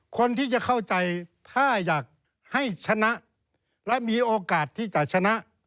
คนที่จะเข้าใจถ้าอยากให้ชนะและมีโอกาสที่จะชนะ